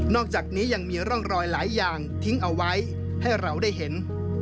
อกจากนี้ยังมีร่องรอยหลายอย่างทิ้งเอาไว้ให้เราได้เห็น